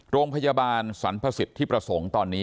โรงพยาบาลสรรพสิทธิประสงค์ตอนนี้